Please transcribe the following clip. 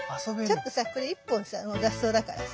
ちょっとさこれ１本さ雑草だからさ。